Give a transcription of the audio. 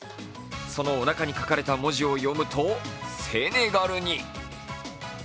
そのおなかに書かれた文字を読むとセネガルに。